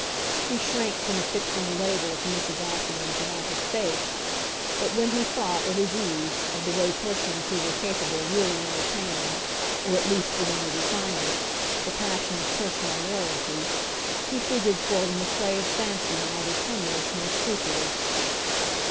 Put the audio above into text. He shrank from affixing a label to Mrs. Assingham's want of faith; but when he thought, at his ease, of the way persons who were capable really entertained or at least with any refinement the passion of personal loyalty, he figured for them a play of fancy neither timorous nor scrupulous.